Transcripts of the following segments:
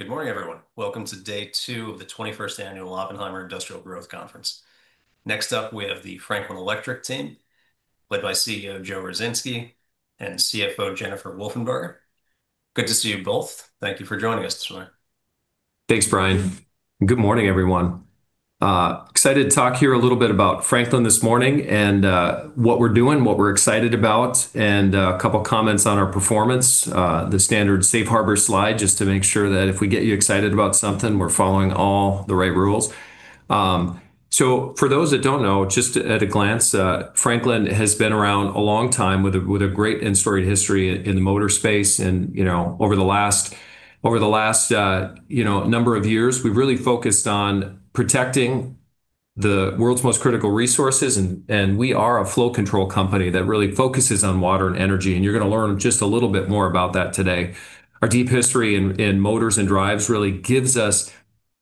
Good morning, everyone. Welcome to day two of the 21st Annual Oppenheimer Industrial Growth Conference. Next up, we have the Franklin Electric team led by CEO Joe Ruzynski and CFO Jennifer Wolfenbarger. Good to see you both. Thank you for joining us this morning. Thanks, Bryan. Good morning, everyone. Excited to talk here a little bit about Franklin this morning and, what we're doing, what we're excited about, and, a couple of comments on our performance. The standard safe harbor slide, just to make sure that if we get you excited about something, we're following all the right rules. For those that don't know, just at a glance, Franklin has been around a long time with a, with a great and storied history in the motor space. You know, over the last, you know, number of years, we've really focused on protecting the world's most critical resources. And we are a flow control company that really focuses on water and energy, and you're gonna learn just a little bit more about that today. Our deep history in motors and drives really gives us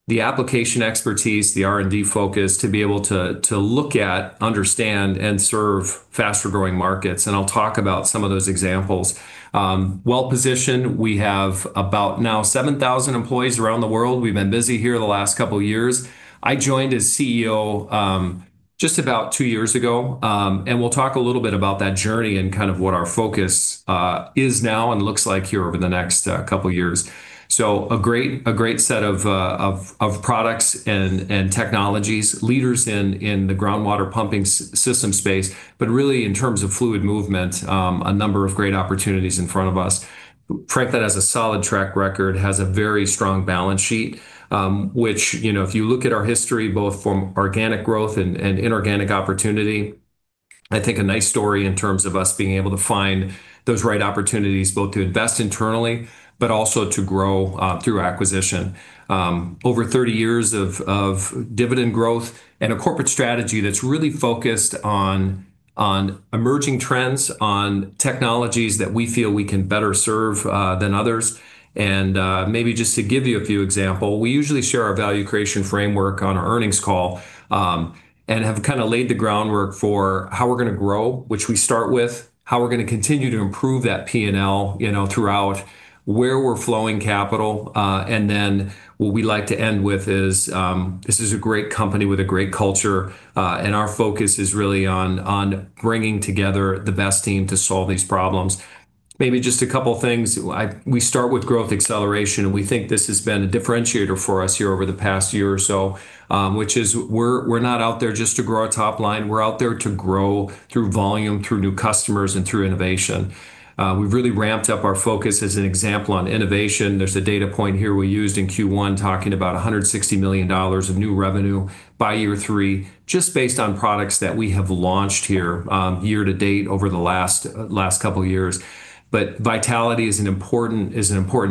the application expertise, the R&D focus to be able to look at, understand, and serve faster-growing markets, and I'll talk about some of those examples. Well-positioned. We have about now 7,000 employees around the world. We've been busy here the last couple of years. I joined as CEO just about two years ago, and we'll talk a little bit about that journey and kind of what our focus is now and looks like here over the next couple of years. A great set of products and technologies, leaders in the groundwater pumping system space. Really in terms of fluid movement, a number of great opportunities in front of us. Franklin has a solid track record, has a very strong balance sheet, which, you know, if you look at our history, both from organic growth and inorganic opportunity, I think a nice story in terms of us being able to find those right opportunities, both to invest internally, but also to grow through acquisition. Over 30 years of dividend growth and a corporate strategy that's really focused on emerging trends, on technologies that we feel we can better serve than others. Maybe just to give you a few example, we usually share our value creation framework on our earnings call, and have kinda laid the groundwork for how we're gonna grow, which we start with, how we're gonna continue to improve that P&L, you know, throughout, where we're flowing capital. What we like to end with is, this is a great company with a great culture, and our focus is really on bringing together the best team to solve these problems. Just a couple of things. We start with growth acceleration, and we think this has been a differentiator for us here over the past year or so, we're not out there just to grow our top line. We're out there to grow through volume, through new customers, and through innovation. We've really ramped up our focus as an example on innovation. There's a data point here we used in Q1 talking about $160 million of new revenue by year three, just based on products that we have launched here, year to date over the last couple of years. Vitality is an important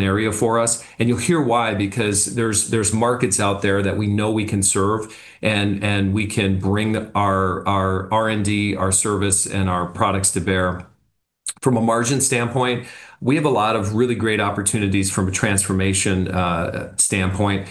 area for us, and you'll hear why. There's markets out there that we know we can serve, and we can bring our R&D, our service, and our products to bear. From a margin standpoint, we have a lot of really great opportunities from a transformation standpoint.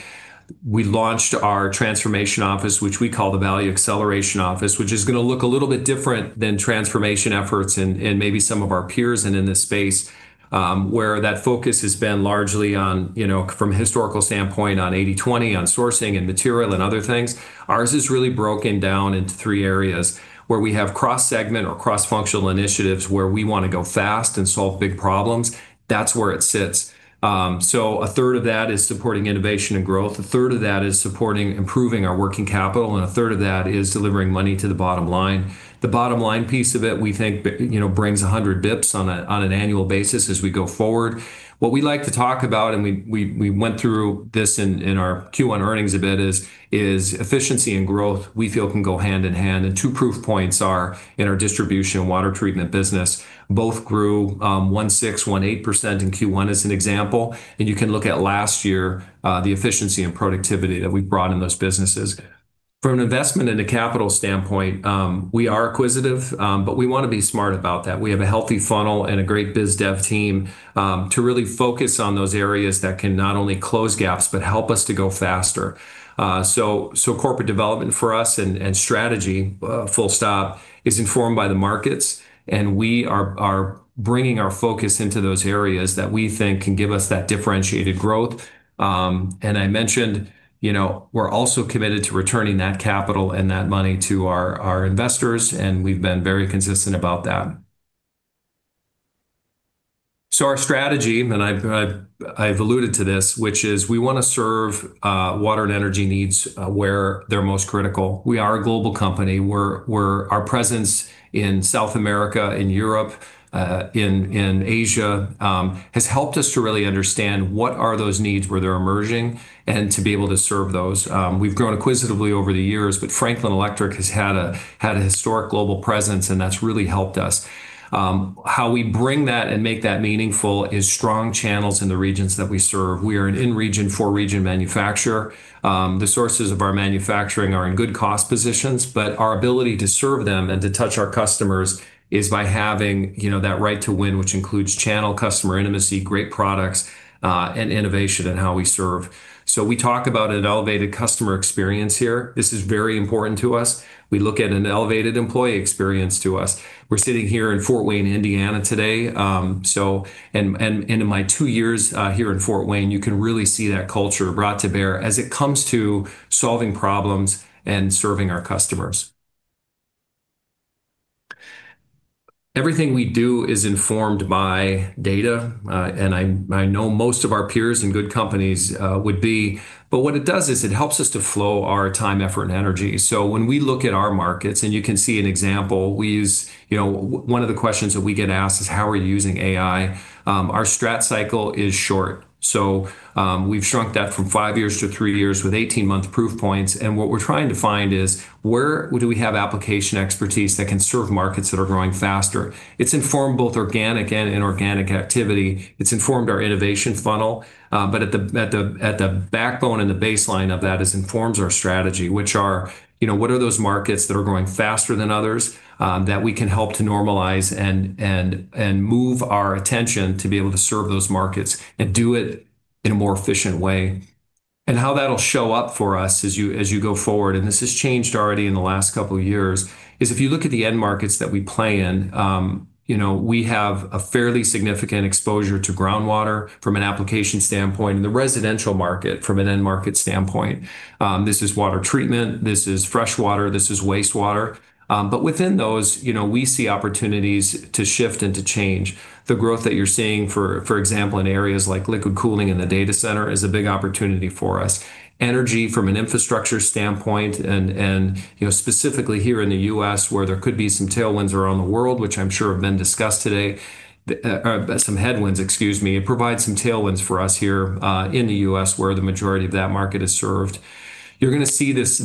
We launched our transformation office, which we call the Value Acceleration Office, which is gonna look a little bit different than transformation efforts in maybe some of our peers and in this space, where that focus has been largely on, you know, from a historical standpoint, on 80/20, on sourcing and material and other things. Ours is really broken down into three areas where we have cross-segment or cross-functional initiatives where we wanna go fast and solve big problems. That's where it sits. A third of that is supporting innovation and growth, 1/3 of that is supporting improving our working capital, 1/3 of that is delivering money to the bottom line. The bottom line piece of it, we think, you know, brings 100 basis points on an annual basis as we go forward. What we like to talk about, and we went through this in our Q1 earnings a bit, is efficiency and growth we feel can go hand in hand. Two proof points are in our distribution and water treatment business. Both grew 16%, 18% in Q1 as an example. You can look at last year, the efficiency and productivity that we brought in those businesses. From an investment and a capital standpoint, we are acquisitive, but we wanna be smart about that. We have a healthy funnel and a great biz dev team to really focus on those areas that can not only close gaps but help us to go faster. Corporate development for us and strategy, full stop, is informed by the markets, and we are bringing our focus into those areas that we think can give us that differentiated growth. I mentioned, you know, we're also committed to returning that capital and that money to our investors, and we've been very consistent about that. Our strategy, and I've alluded to this, which is we wanna serve water and energy needs where they're most critical. We are a global company. Our presence in South America, in Europe, in Asia, has helped us to really understand what are those needs, where they're emerging, and to be able to serve those. We've grown acquisitively over the years, Franklin Electric has had a historic global presence, and that's really helped us. How we bring that and make that meaningful is strong channels in the regions that we serve. We are an in region, for region manufacturer. The sources of our manufacturing are in good cost positions, but our ability to serve them and to touch our customers is by having, you know, that right to win, which includes channel customer intimacy, great products, and innovation in how we serve. We talk about an elevated customer experience here. This is very important to us. We look at an elevated employee experience to us. We're sitting here in Fort Wayne, Indiana, today. In my two years here in Fort Wayne, you can really see that culture brought to bear as it comes to solving problems and serving our customers. Everything we do is informed by data, and I know most of our peers in good companies would be. What it does is it helps us to flow our time, effort, and energy. When we look at our markets, and you can see an example, we use You know, one of the questions that we get asked is, "How are you using AI?" Our strat cycle is short. We've shrunk that from five years to three years with 18-month proof points, and what we're trying to find is where do we have application expertise that can serve markets that are growing faster. It's informed both organic and inorganic activity. It's informed our innovation funnel. But at the backbone and the baseline of that is informs our strategy, which are, you know, what are those markets that are growing faster than others, that we can help to normalize and move our attention to be able to serve those markets and do it in a more efficient way. How that'll show up for us as you, as you go forward, and this has changed already in the last couple years, is if you look at the end markets that we play in, you know, we have a fairly significant exposure to groundwater from an application standpoint and the residential market from an end market standpoint. This is water treatment. This is fresh water. This is wastewater. Within those, you know, we see opportunities to shift and to change. The growth that you're seeing, for example, in areas like liquid cooling in the data center is a big opportunity for us. Energy from an infrastructure standpoint and, you know, specifically here in the U.S. where there could be some tailwinds around the world, which I'm sure have been discussed today, some headwinds, excuse me, it provides some tailwinds for us here, in the U.S. where the majority of that market is served. You're gonna see this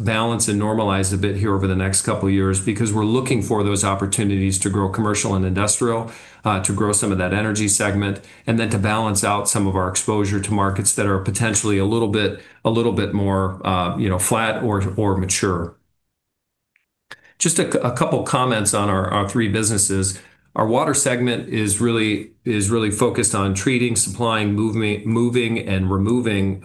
balance and normalize a bit here over the next couple years because we're looking for those opportunities to grow commercial and industrial, to grow some of that energy segment, and then to balance out some of our exposure to markets that are potentially a little bit more, you know, flat or mature. Just a couple comments on our three businesses. Our Water segment is really focused on treating, supplying, movement, moving, and removing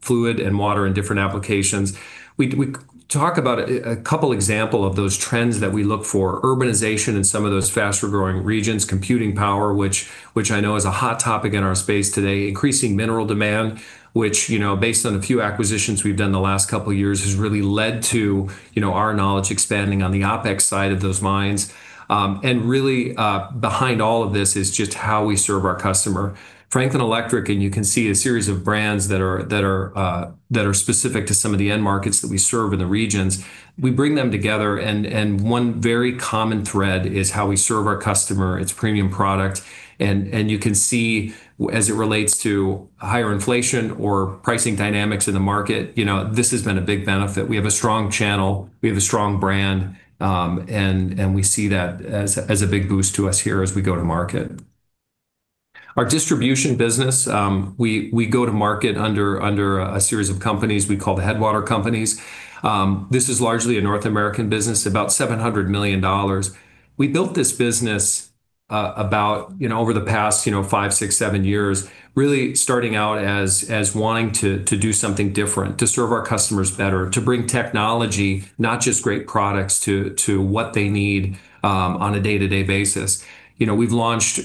fluid and water in different applications. We talk about a couple example of those trends that we look for, urbanization in some of those faster-growing regions, computing power, which I know is a hot topic in our space today, increasing mineral demand, which, you know, based on a few acquisitions we've done the last couple years, has really led to, you know, our knowledge expanding on the OpEx side of those mines. Really, behind all of this is just how we serve our customer. Franklin Electric, you can see a series of brands that are specific to some of the end markets that we serve in the regions, we bring them together, and one very common thread is how we serve our customer. It's premium product. You can see as it relates to higher inflation or pricing dynamics in the market, you know, this has been a big benefit. We have a strong channel. We have a strong brand. We see that as a big boost to us here as we go to market. Our distribution business, we go to market under a series of companies we call the Headwater Companies. This is largely a North American business, about $700 million. We built this business, you know, over the past, you know, five, six, seven years, really starting out as wanting to do something different, to serve our customers better, to bring technology, not just great products, to what they need on a day-to-day basis. You know, we've launched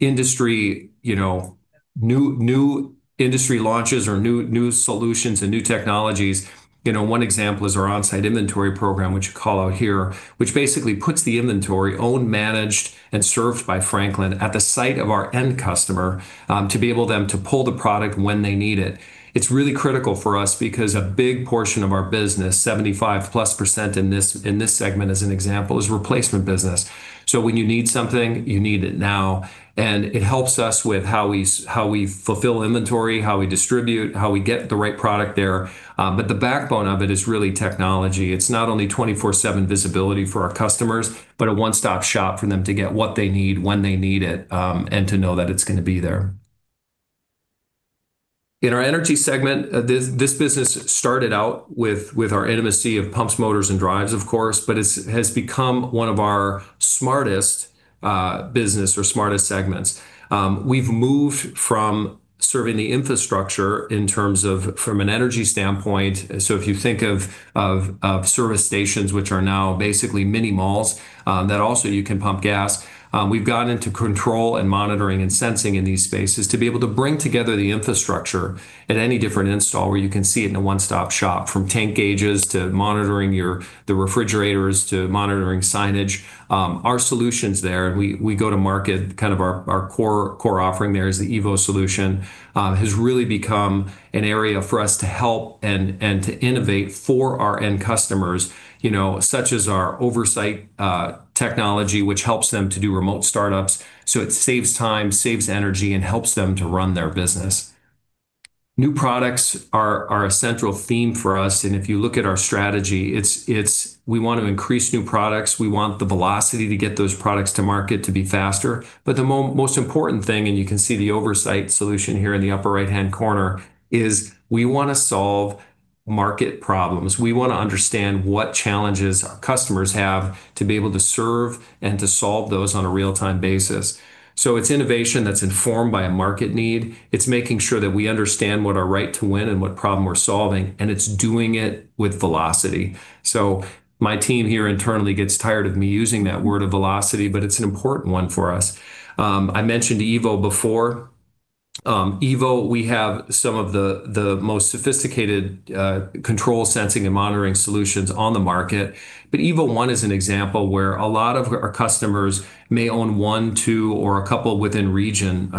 industry, you know, new industry launches or new solutions and new technologies. You know, one example is our on-site inventory program, which I call out here, which basically puts the inventory owned, managed, and served by Franklin at the site of our end customer to be able then to pull the product when they need it. It's really critical for us because a big portion of our business, 75%+ in this, in this segment as an example, is replacement business. When you need something, you need it now, and it helps us with how we fulfill inventory, how we distribute, how we get the right product there. The backbone of it is really technology. It's not only 24/7 visibility for our customers, but a one-stop shop for them to get what they need when they need it, and to know that it's gonna be there. In our energy segment, this business started out with our intimacy of pumps, motors, and drives, of course, but it has become one of our smartest business or smartest segments. We've moved from serving the infrastructure in terms of from an energy standpoint. If you think of service stations, which are now basically mini malls, that also you can pump gas, we've gotten into control and monitoring and sensing in these spaces to be able to bring together the infrastructure at any different install where you can see it in a one-stop shop, from tank gauges to monitoring your the refrigerators to monitoring signage. Our solutions there, and we go to market kind of our core offering there is the EVO solution, has really become an area for us to help and to innovate for our end customers, you know, such as our OVERSITE technology, which helps them to do remote startups, so it saves time, saves energy, and helps them to run their business. New products are a central theme for us. If you look at our strategy, we want to increase new products. We want the velocity to get those products to market to be faster. The most important thing, you can see the OVERSITE solution here in the upper right-hand corner, is we want to solve market problems. We want to understand what challenges our customers have to be able to serve and to solve those on a real-time basis. It's innovation that's informed by a market need. It's making sure that we understand what our right to win and what problem we're solving, it's doing it with velocity. My team here internally gets tired of me using that word of velocity, it's an important one for us. I mentioned EVO before. EVO, we have some of the most sophisticated control sensing and monitoring solutions on the market. EVO ONE is an example where a lot of our customers may own one, two, or a couple within region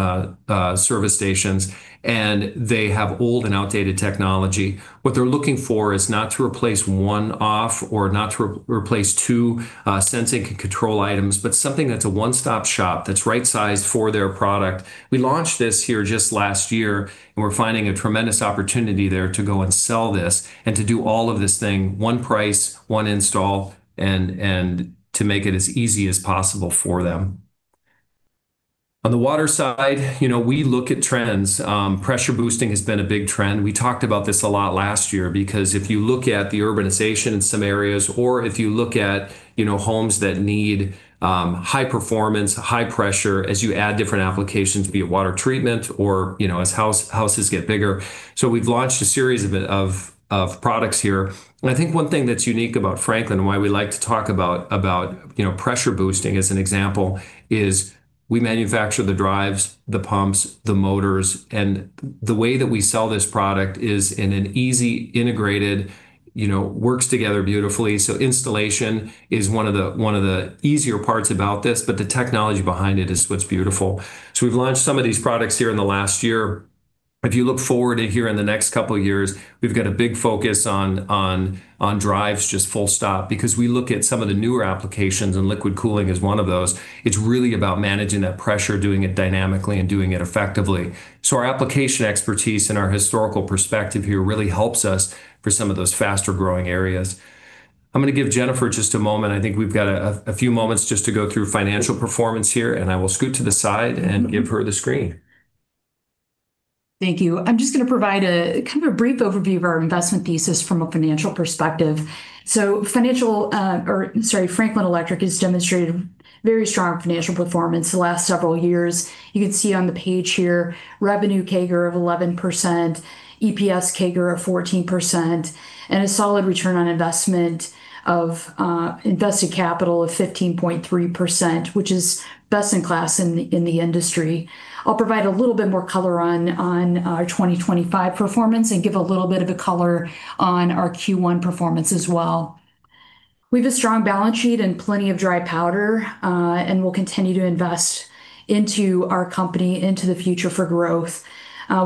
service stations, and they have old and outdated technology. What they're looking for is not to replace one off or not to re-replace two sensing control items, but something that's a one-stop shop that's right-sized for their product. We launched this here just last year. We're finding a tremendous opportunity there to go and sell this and to do all of this thing, one price, one install, and to make it as easy as possible for them. On the water side, you know, we look at trends. Pressure boosting has been a big trend. We talked about this a lot last year because if you look at the urbanization in some areas, or if you look at, you know, homes that need high performance, high pressure as you add different applications, be it water treatment or, you know, as houses get bigger. We've launched a series of products here. I think one thing that's unique about Franklin and why we like to talk about, you know, pressure boosting as an example, is we manufacture the drives, the pumps, the motors, and the way that we sell this product is in an easy, integrated, you know, works together beautifully. Installation is one of the easier parts about this, but the technology behind it is what's beautiful. We've launched some of these products here in the last year. If you look forward here in the next couple of years, we've got a big focus on drives just full stop because we look at some of the newer applications, and liquid cooling is one of those. It's really about managing that pressure, doing it dynamically and doing it effectively. Our application expertise and our historical perspective here really helps us for some of those faster-growing areas. I'm gonna give Jennifer just a moment. I think we've got a few moments just to go through financial performance here, and I will scoot to the side and give her the screen. Thank you. I'm just gonna provide a kind of a brief overview of our investment thesis from a financial perspective. Financial, Franklin Electric has demonstrated very strong financial performance the last several years. You can see on the page here, revenue CAGR of 11%, EPS CAGR of 14%, and a solid return on investment of invested capital of 15.3%, which is best in class in the industry. I'll provide a little bit more color on our 2025 performance and give a little bit of a color on our Q1 performance as well. We've a strong balance sheet and plenty of dry powder, and we'll continue to invest into our company into the future for growth.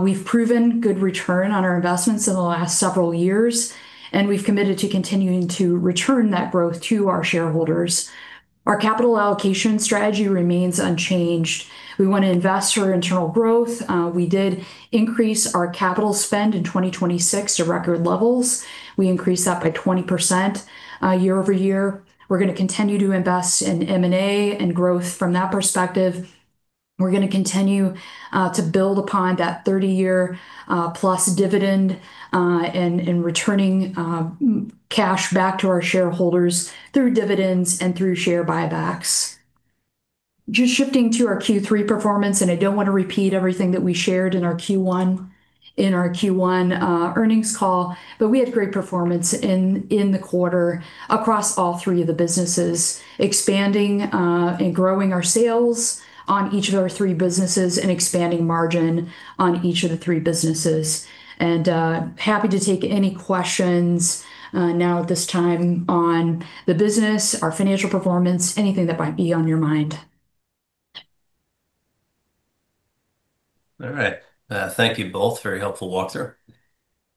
We've proven good return on our investments in the last several years, and we've committed to continuing to return that growth to our shareholders. Our capital allocation strategy remains unchanged. We want to invest for internal growth. We did increase our capital spend in 2026 to record levels. We increased that by 20% year-over-year. We're gonna continue to invest in M&A and growth from that perspective. We're gonna continue to build upon that 30-year plus dividend and returning cash back to our shareholders through dividends and through share buybacks. Just shifting to our Q3 performance, and I don't want to repeat everything that we shared in our Q1 earnings call, but we had great performance in the quarter across all three of the businesses, expanding and growing our sales on each of our three businesses and expanding margin on each of the three businesses. Happy to take any questions now at this time on the business, our financial performance, anything that might be on your mind. All right. Thank you both. Very helpful walkthrough.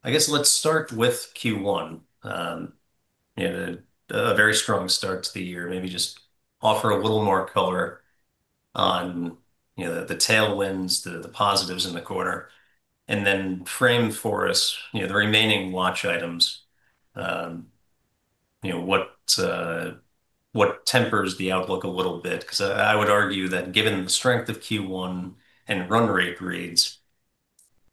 I guess let's start with Q1. You know, a very strong start to the year. Maybe just offer a little more color on, you know, the tailwinds, the positives in the quarter, then frame for us, you know, the remaining watch items. You know, what tempers the outlook a little bit? 'Cause I would argue that given the strength of Q1 and run rate reads,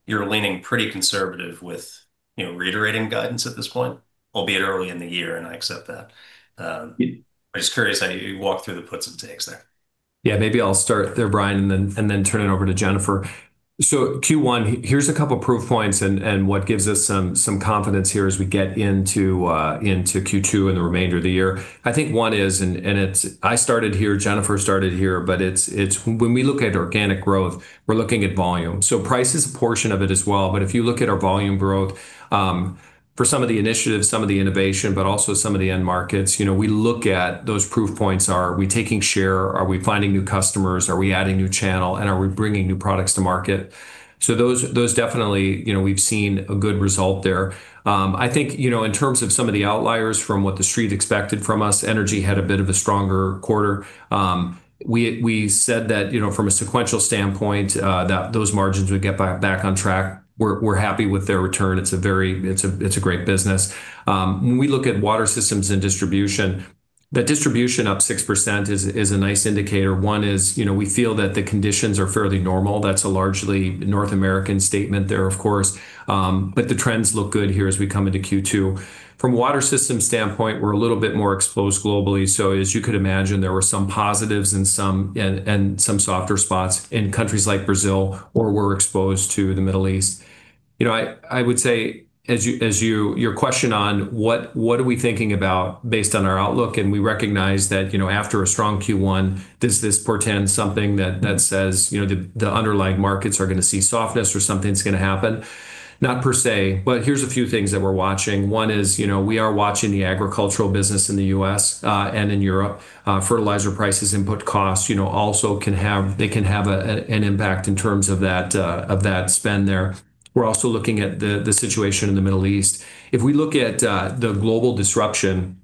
you're leaning pretty conservative with, you know, reiterating guidance at this point, albeit early in the year, I accept that. I'm just curious how you walk through the puts and takes there. Yeah, maybe I'll start there, Bryan, and then turn it over to Jennifer. Q1, here's a couple proof points and what gives us some confidence here as we get into Q2 and the remainder of the year. I think one is, and it's I started here, Jennifer started here, but it's when we look at organic growth, we're looking at volume. Price is a portion of it as well. If you look at our volume growth, for some of the initiatives, some of the innovation, but also some of the end markets, you know, we look at those proof points. Are we taking share? Are we finding new customers? Are we adding new channel, and are we bringing new products to market? Those definitely, you know, we've seen a good result there. I think, you know, in terms of some of the outliers from what the street expected from us, energy had a bit of a stronger quarter. We said that, you know, from a sequential standpoint, that those margins would get back on track. We're happy with their return. It's a great business. When we look at Water Systems and Distribution. The Distribution up 6% is a nice indicator. One is, you know, we feel that the conditions are fairly normal. That's a largely North American statement there, of course. The trends look good here as we come into Q2. From a water system standpoint, we're a little bit more exposed globally, so as you could imagine, there were some positives and some softer spots in countries like Brazil or we're exposed to the Middle East. You know, I would say as you Your question on what are we thinking about based on our outlook, and we recognize that, you know, after a strong Q1, does this portend something that says, you know, the underlying markets are gonna see softness or something's gonna happen? Not per se, here's a few things that we're watching. One is, you know, we are watching the agricultural business in the U.S. and in Europe. Fertilizer prices, input costs, you know, also they can have an impact in terms of that of that spend there. We're also looking at the situation in the Middle East. If we look at the global disruption,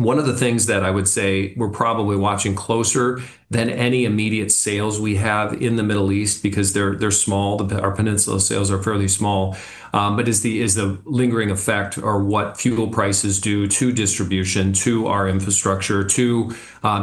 one of the things that I would say we're probably watching closer than any immediate sales we have in the Middle East because they're small, our peninsula sales are fairly small, but is the lingering effect or what fuel prices do to distribution, to our infrastructure, to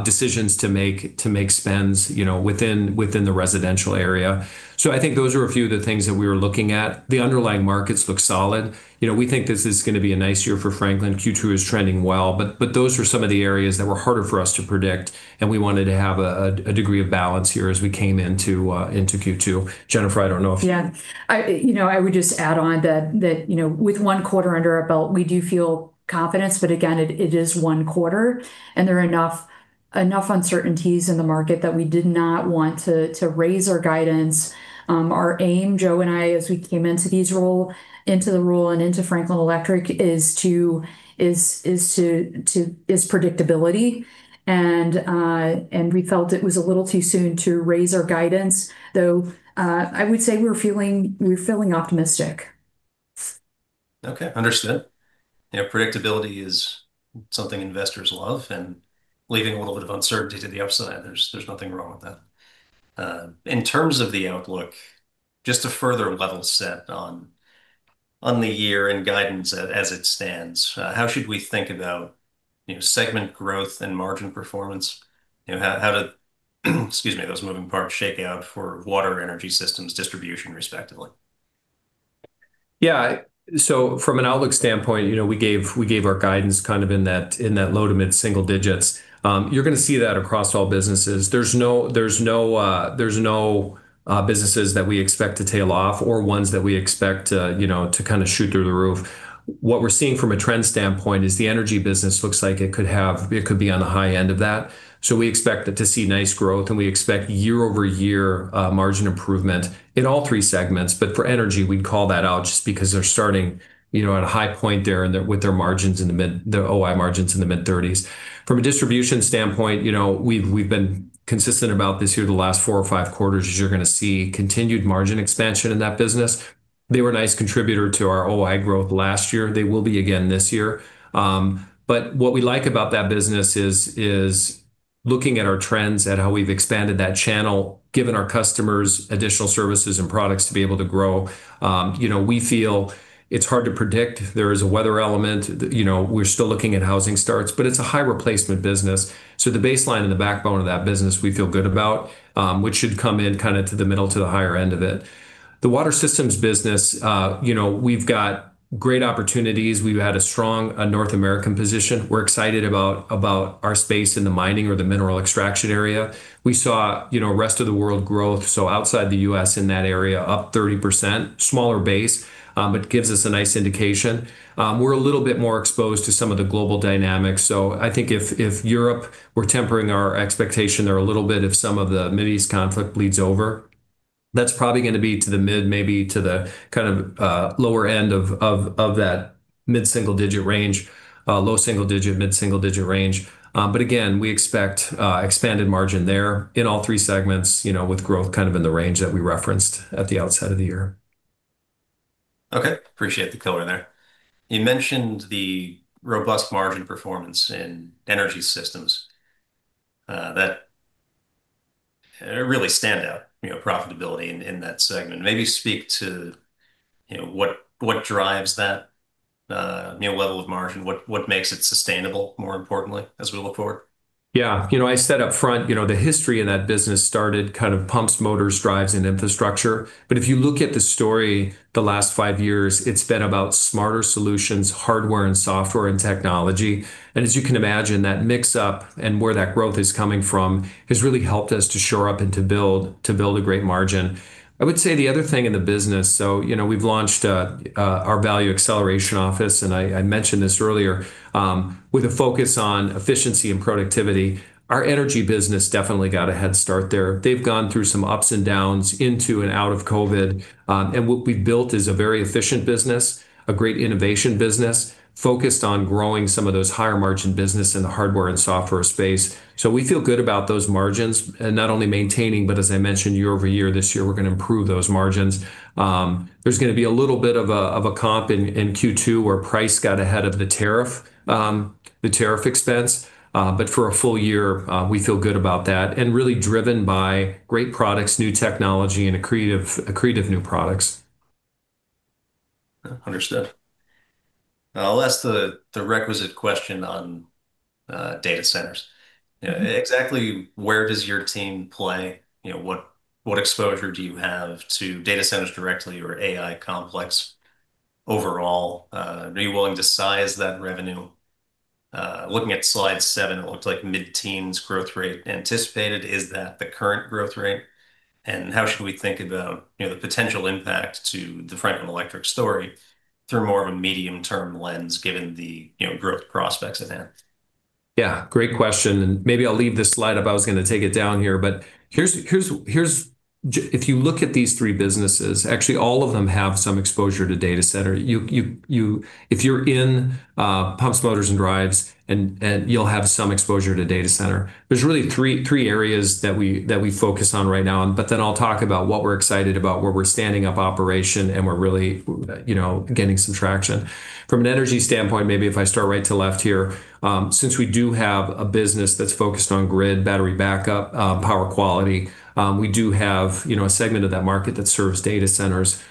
decisions to make spends, you know, within the residential area. I think those are a few of the things that we are looking at. The underlying markets look solid. You know, we think this is gonna be a nice year for Franklin. Q2 is trending well, but those are some of the areas that were harder for us to predict, and we wanted to have a degree of balance here as we came into Q2. Jennifer, I don't know if you. Yeah. I, you know, I would just add on that, you know, with one quarter under our belt, we do feel confidence. Again, it is one quarter, and there are enough uncertainties in the market that we did not want to raise our guidance. Our aim, Joe and I, as we came into the role and into Franklin Electric, is predictability. We felt it was a little too soon to raise our guidance, though I would say we're feeling optimistic. Okay. Understood. Yeah, predictability is something investors love, and leaving a little bit of uncertainty to the upside, there's nothing wrong with that. In terms of the outlook, just to further level set on the year and guidance as it stands, how should we think about, you know, segment growth and margin performance? You know, how do excuse me, those moving parts shake out for Water, Energy Systems, Distribution respectively? From an outlook standpoint, you know, we gave our guidance kind of in that low to mid-single digits. You're gonna see that across all businesses. There's no businesses that we expect to tail off or ones that we expect, you know, to kind of shoot through the roof. What we're seeing from a trend standpoint is the energy business looks like it could be on the high end of that, so we expect it to see nice growth, and we expect year-over-year margin improvement in all three segments. For energy, we'd call that out just because they're starting, you know, at a high point there with their OI margins in the mid-30s. From a distribution standpoint, you know, we've been consistent about this here the last four or five quarters is you're gonna see continued margin expansion in that business. They were a nice contributor to our OI growth last year. They will be again this year. What we like about that business is looking at our trends and how we've expanded that channel, given our customers additional services and products to be able to grow, you know, we feel it's hard to predict. There is a weather element. You know, we're still looking at housing starts. It's a high replacement business, the baseline and the backbone of that business we feel good about, which should come in kinda to the middle to the higher end of it. The Water Systems business, you know, we've got great opportunities. We've had a strong North American position. We're excited about our space in the mining or the mineral extraction area. We saw, you know, rest of the world growth, so outside the U.S. in that area, up 30%. Smaller base, but gives us a nice indication. We're a little bit more exposed to some of the global dynamics, so I think if Europe, we're tempering our expectation there a little bit if some of the Mideast conflict bleeds over. That's probably gonna be to the mid, maybe to the kind of lower end of that mid-single digit range, low single digit, mid-single digit range. But again, we expect expanded margin there in all three segments, you know, with growth kind of in the range that we referenced at the outset of the year. Okay. Appreciate the color there. You mentioned the robust margin performance in Energy Systems, that really stand out, you know, profitability in that segment. Maybe speak to, you know, what drives that, you know, level of margin? What, what makes it sustainable, more importantly, as we look forward? Yeah. You know, I said up front, you know, the history in that business started kind of pumps, motors, drives, and infrastructure. If you look at the story the last five years, it's been about smarter solutions, hardware and software and technology. As you can imagine, that mix-up and where that growth is coming from has really helped us to shore up and to build a great margin. I would say the other thing in the business, so, you know, we've launched our Value Acceleration Office, and I mentioned this earlier, with a focus on efficiency and productivity. Our energy business definitely got a head start there. They've gone through some ups and downs into and out of COVID, and what we've built is a very efficient business, a great innovation business focused on growing some of those higher-margin business in the hardware and software space. We feel good about those margins, not only maintaining, but as I mentioned, year-over-year this year, we're gonna improve those margins. There's gonna be a little bit of a comp in Q2 where price got ahead of the tariff, the tariff expense. For a full year, we feel good about that and really driven by great products, new technology, and accretive new products. Understood. I'll ask the requisite question on data centers. Exactly where does your team play? You know, what exposure do you have to data centers directly or AI complex overall? Are you willing to size that revenue? Looking at slide seven, it looked like mid-teens growth rate anticipated. Is that the current growth rate? How should we think about, you know, the potential impact to the Franklin Electric story through more of a medium-term lens given the, you know, growth prospects of that? Yeah, great question, and maybe I'll leave this slide up. I was gonna take it down here, but here's if you look at these three businesses, actually all of them have some exposure to data center. You If you're in pumps, motors, and drives, and you'll have some exposure to data center. There's really three areas that we focus on right now but then I'll talk about what we're excited about, where we're standing up operation, and we're really, you know, gaining some traction. From an energy standpoint, maybe if I start right to left here, since we do have a business that's focused on grid battery backup, power quality, we do have, you know, a segment of that market that serves data centers,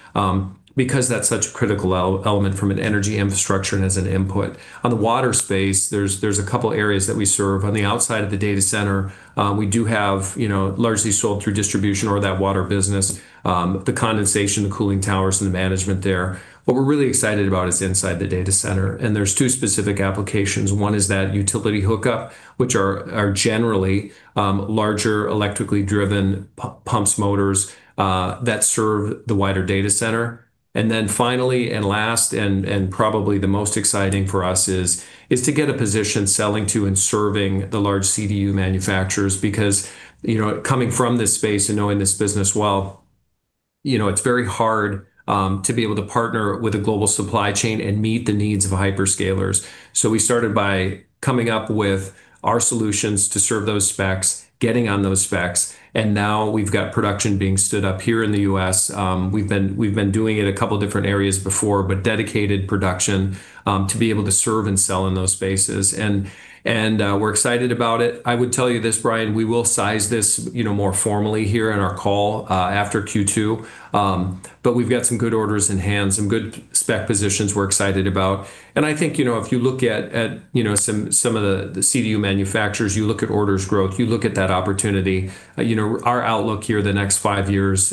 because that's such a critical element from an energy infrastructure and as an input. On the water space, there's a couple areas that we serve. On the outside of the data center, we do have, you know, largely sold through distribution or that water business, the condensation, the cooling towers, and the management there. What we're really excited about is inside the data center, and there's two specific applications. One is that utility hookup, which are generally, larger electrically driven pumps, motors, that serve the wider data center. Then finally and last and probably the most exciting for us is to get a position selling to and serving the large CDU manufacturers because, you know, coming from this space and knowing this business well, you know, it's very hard to be able to partner with a global supply chain and meet the needs of hyperscalers. We started by coming up with our solutions to serve those specs, getting on those specs, and now we've got production being stood up here in the U.S. We've been doing it a couple different areas before, but dedicated production to be able to serve and sell in those spaces and we're excited about it. I would tell you this, Bryan, we will size this, you know, more formally here in our call after Q2, but we've got some good orders in hand, some good spec positions we're excited about. I think, you know, if you look at, you know, some of the CDU manufacturers, you look at orders growth, you look at that opportunity, you know, our outlook here the next five years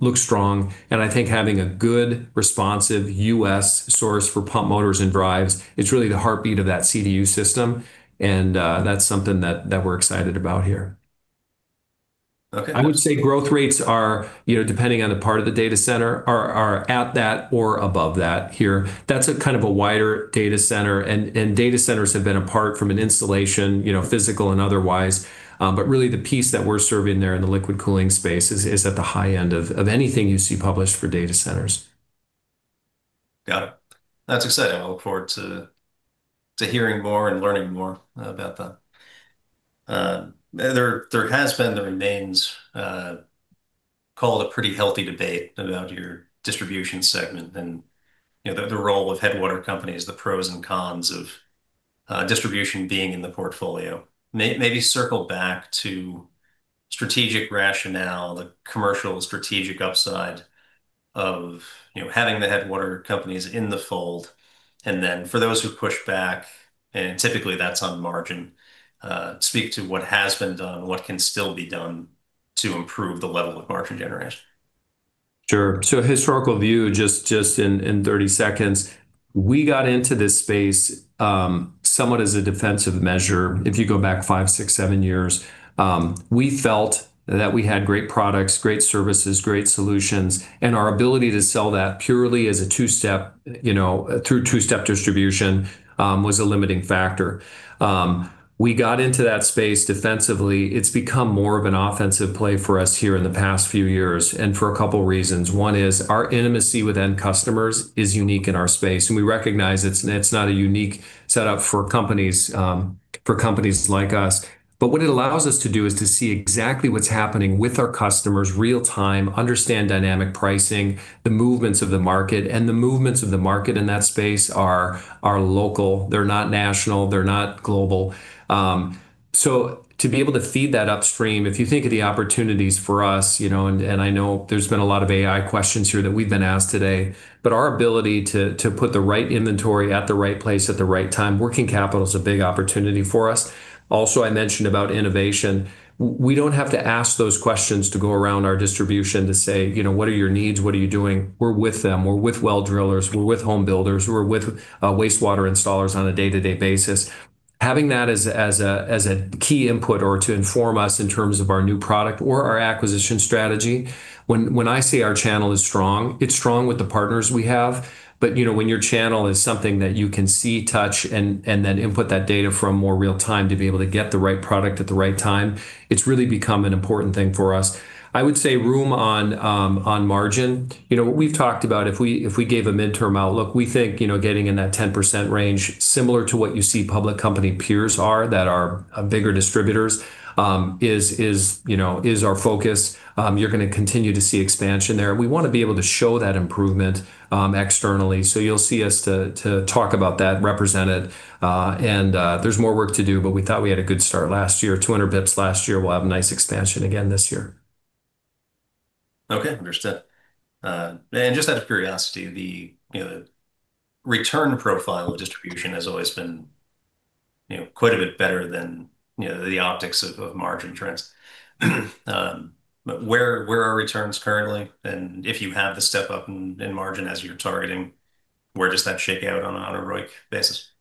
looks strong. I think having a good, responsive U.S. source for pump, motors, and drives, it's really the heartbeat of that CDU system, and that's something that we're excited about here. Okay. I would say growth rates are, you know, depending on the part of the data center, are at that or above that here. That's a kind of a wider data center and data centers have been a part from an installation, you know, physical and otherwise. Really the piece that we're serving there in the liquid cooling space is at the high end of anything you see published for data centers. Got it. That's exciting. I look forward to hearing more and learning more about that. There has been and remains, call it pretty healthy debate about your Distribution segment and, you know, the role of Headwater Companies, the pros and cons of Distribution being in the portfolio. Maybe circle back to strategic rationale, the commercial strategic upside of, you know, having the Headwater Companies in the fold, and then for those who push back, and typically that's on margin, speak to what has been done and what can still be done to improve the level of margin generation. Sure. Historical view, just in 30 seconds, we got into this space, somewhat as a defensive measure, if you go back five, six, seven years. We felt that we had great products, great services, great solutions, and our ability to sell that purely as a two-step, you know, through two-step distribution, was a limiting factor. We got into that space defensively. It's become more of an offensive play for us here in the past few years, and for a couple of reasons. One is our intimacy with end customers is unique in our space, and we recognize it's not a unique setup for companies, for companies like us. What it allows us to do is to see exactly what's happening with our customers real time, understand dynamic pricing, the movements of the market, and the movements of the market in that space are local. They're not national. They're not global. To be able to feed that upstream, if you think of the opportunities for us, you know, and I know there's been a lot of AI questions here that we've been asked today, but our ability to put the right inventory at the right place at the right time, working capital is a big opportunity for us. Also, I mentioned about innovation. We don't have to ask those questions to go around our distribution to say, you know, "What are your needs? What are you doing?" We're with them. We're with well drillers. We're with home builders. We're with wastewater installers on a day-to-day basis. Having that as a key input or to inform us in terms of our new product or our acquisition strategy, when I say our channel is strong, it's strong with the partners we have. You know, when your channel is something that you can see, touch, and then input that data from more real time to be able to get the right product at the right time, it's really become an important thing for us. I would say room on margin. You know, we've talked about if we gave a midterm outlook, we think, you know, getting in that 10% range similar to what you see public company peers are that are bigger distributors, you know, is our focus. You're going to continue to see expansion there. We want to be able to show that improvement externally, you'll see us to talk about that represented. There's more work to do, we thought we had a good start last year, 200 basis points last year. We'll have nice expansion again this year. Okay, understood. Just out of curiosity, the, you know, return profile Distribution has always been, you know, quite a bit better than, you know, the optics of margin trends. Where are returns currently? If you have the step up in margin as you're targeting, where does that shake out on a ROIC basis?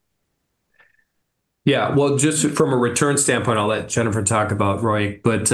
Yeah. Well, just from a return standpoint, I'll let Jennifer Wolfenbarger talk about ROIC, but,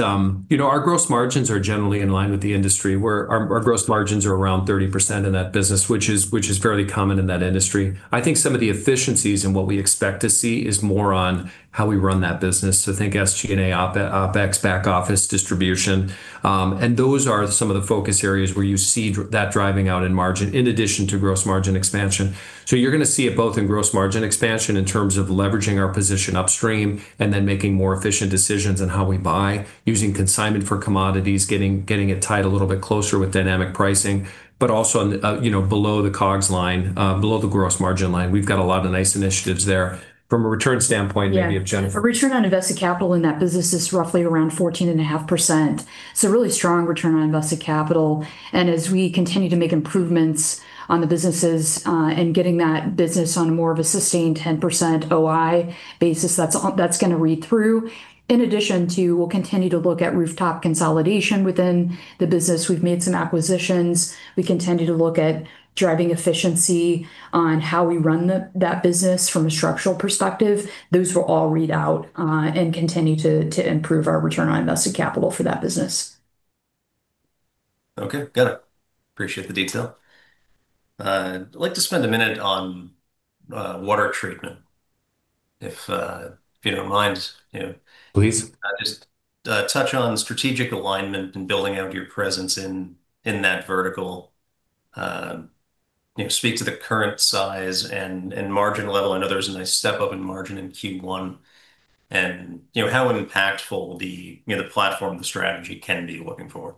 you know, our gross margins are generally in line with the industry, where our gross margins are around 30% in that business which is fairly common in that industry. I think some of the efficiencies and what we expect to see is more on how we run that business. Think SG&A, OpEx, back office distribution, and those are some of the focus areas where you see that driving out in margin in addition to gross margin expansion. You're gonna see it both in gross margin expansion in terms of leveraging our position upstream and then making more efficient decisions in how we buy using consignment for commodities, getting it tied a little bit closer with dynamic pricing. Also on the, you know, below the COGS line, below the gross margin line, we've got a lot of nice initiatives there. From a return standpoint. Yeah Maybe if Jennifer- The return on invested capital in that business is roughly around 14.5%, so really strong return on invested capital. As we continue to make improvements on the businesses and getting that business on more of a sustained 10% OI basis, that's gonna read through. In addition to, we'll continue to look at rooftop consolidation within the business. We've made some acquisitions. We continue to look at driving efficiency on how we run that business from a structural perspective. Those will all read out and continue to improve our return on invested capital for that business. Okay. Got it. Appreciate the detail. I'd like to spend a minute on water treatment if you don't mind, you know. Please. Just touch on strategic alignment and building out your presence in that vertical. You know, speak to the current size and margin level. I know there's a nice step up in margin in Q1, and, you know, how impactful the, you know, the platform, the strategy can be looking forward.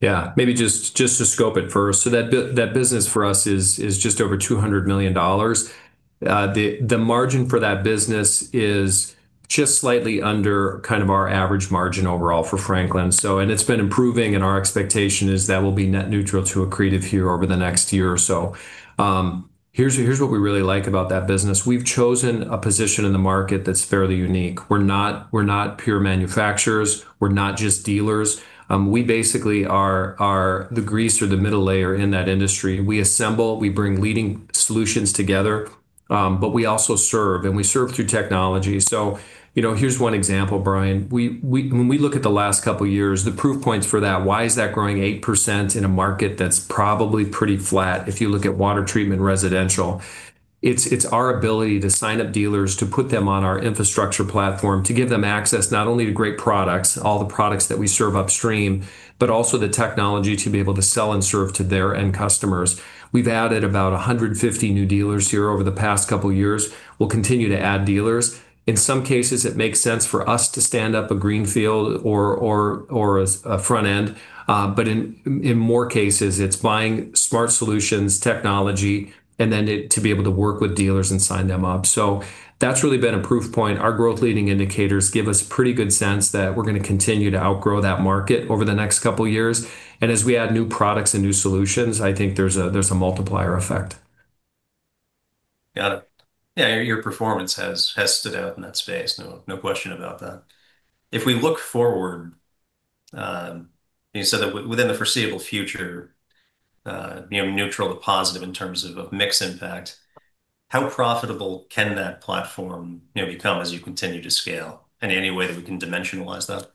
Yeah. Maybe just to scope it first. That business for us is just over $200 million. The margin for that business is just slightly under kind of our average margin overall for Franklin. And it's been improving, and our expectation is that will be net neutral to accretive here over the next year or so. Here's what we really like about that business. We've chosen a position in the market that's fairly unique. We're not pure manufacturers. We're not just dealers. We basically are the grease or the middle layer in that industry. We assemble, we bring leading solutions together, but we also serve, and we serve through technology. You know, here's one example, Bryan. We when we look at the last couple years, the proof points for that, why is that growing 8% in a market that's probably pretty flat if you look at water treatment residential. It's our ability to sign up dealers to put them on our infrastructure platform to give them access not only to great products, all the products that we serve upstream, but also the technology to be able to sell and serve to their end customers. We've added about 150 new dealers here over the past couple years. We'll continue to add dealers. In some cases, it makes sense for us to stand up a greenfield or a front end. In more cases, it's buying smart solutions technology and then to be able to work with dealers and sign them up. That's really been a proof point. Our growth leading indicators give us pretty good sense that we're gonna continue to outgrow that market over the next couple years. As we add new products and new solutions, I think there's a multiplier effect. Got it. Yeah, your performance has stood out in that space, no question about that. If we look forward, you said that within the foreseeable future, you know, neutral to positive in terms of mix impact, how profitable can that platform, you know, become as you continue to scale? Any way that we can dimensionalize that?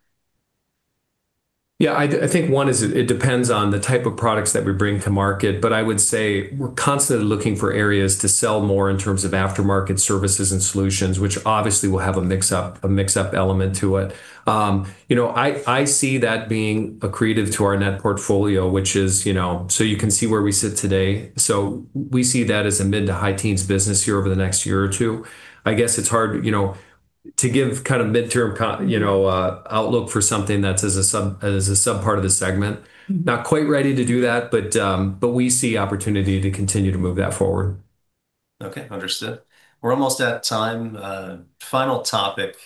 Yeah. I think, one, is it depends on the type of products that we bring to market. I would say we're constantly looking for areas to sell more in terms of aftermarket services and solutions, which obviously will have a mix up element to it. you know, I see that being accretive to our net portfolio, which is, you know, so you can see where we sit today. We see that as a mid to high teens business here over the next year or two. I guess it's hard, you know, to give kind of midterm, you know, outlook for something that's as a sub part of the segment. Not quite ready to do that, but we see opportunity to continue to move that forward. Okay. Understood. We're almost at time. final topic,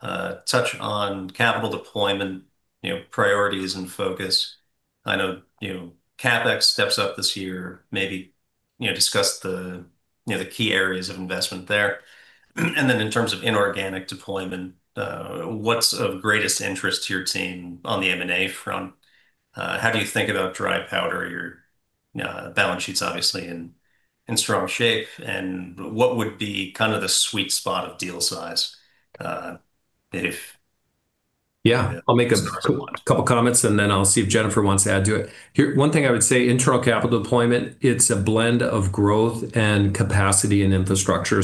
touch on capital deployment, you know, priorities and focus. I know, you know, CapEx steps up this year, maybe, you know, discuss the, you know, the key areas of investment there. In terms of inorganic deployment, what's of greatest interest to your team on the M&A front? how do you think about dry powder? Your balance sheet's obviously in strong shape. What would be kind of the sweet spot of deal size? Yeah. Just for one. Two comments, and then I'll see if Jennifer wants to add to it. One thing I would say, internal capital deployment, it's a blend of growth and capacity and infrastructure.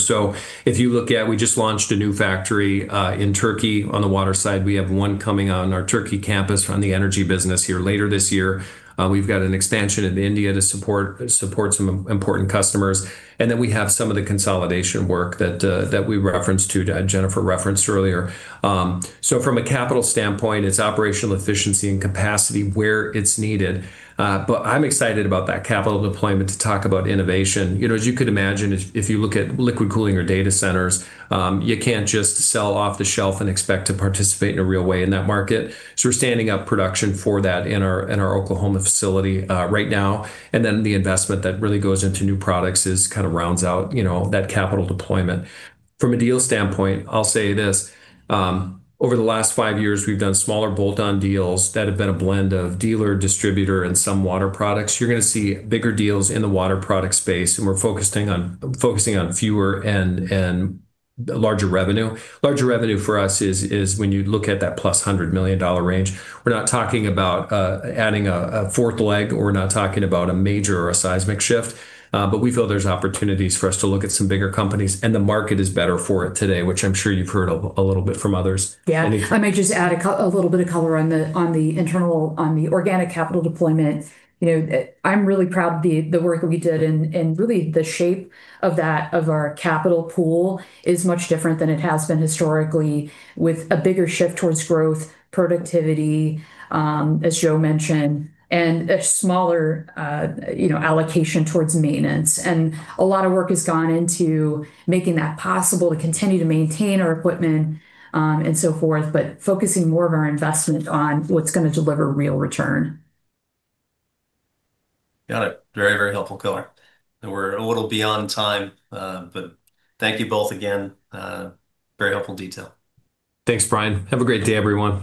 If you look at, we just launched a new factory in Turkey on the Water side. We have one coming on our Turkey campus on the energy business here later this year. We've got an expansion in India to support some important customers. We have some of the consolidation work that we referenced, that Jennifer referenced earlier. From a capital standpoint, it's operational efficiency and capacity where it's needed. I'm excited about that capital deployment to talk about innovation. You know, as you could imagine, if you look at liquid cooling or data centers, you can't just sell off the shelf and expect to participate in a real way in that market. We're standing up production for that in our Oklahoma facility right now. The investment that really goes into new products is, kind of rounds out, you know, that capital deployment. From a deal standpoint, I'll say this, over the last five years, we've done smaller bolt-on deals that have been a blend of dealer, distributor, and some water products. You're gonna see bigger deals in the water product space, we're focusing on fewer and larger revenue. Larger revenue for us is when you look at that +$100 million range. We're not talking about adding a fourth leg, or we're not talking about a major or a seismic shift. We feel there's opportunities for us to look at some bigger companies, and the market is better for it today, which I'm sure you've heard a little bit from others. Yeah. Any- I might just add a little bit of color on the internal, on the organic capital deployment. You know, I'm really proud of the work that we did and really the shape of our capital pool is much different than it has been historically with a bigger shift towards growth, productivity, as Joe mentioned, and a smaller, you know, allocation towards maintenance. A lot of work has gone into making that possible to continue to maintain our equipment, and so forth, but focusing more of our investment on what's gonna deliver real return. Got it. Very, very helpful color. We're a little beyond time, but thank you both again. Very helpful detail. Thanks, Bryan. Have a great day, everyone.